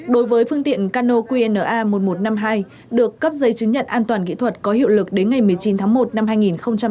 đối với phương tiện cano qna một nghìn một trăm năm mươi hai được cấp giấy chứng nhận an toàn kỹ thuật có hiệu lực đến ngày một mươi chín tháng một năm hai nghìn hai mươi